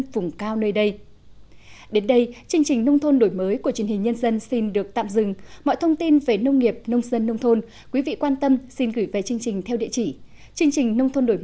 phương đổi núi có điều kiện đất khô cằn